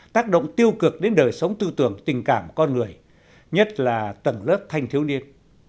tác động tiêu cực đến đời sống tư tưởng tình cảm con người nhất là tầng lớp thanh thiếu niên